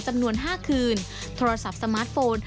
จำนวน๕คืนโทรศัพท์สมาร์ทโฟน